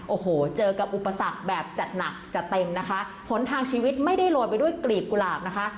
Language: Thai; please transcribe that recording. โอ้โหเจอกับอุปสรรคแบบจัดหนักจัดเต็มนะคะผลทางชีวิตไม่ได้โรยไปด้วยกลีบกุหลาบนะคะ